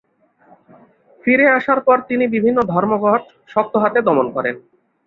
ফিরে আসার পর তিনি বিভিন্ন ধর্মঘট শক্ত হাতে দমন করেন।